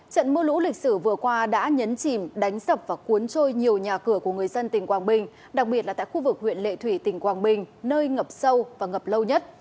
trận mưa lũ lịch sử vừa qua đã nhấn chìm đánh sập và cuốn trôi nhiều nhà cửa của người dân tỉnh quảng bình đặc biệt là tại khu vực huyện lệ thủy tỉnh quảng bình nơi ngập sâu và ngập lâu nhất